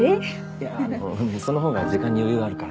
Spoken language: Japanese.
いやあのそのほうが時間に余裕あるから。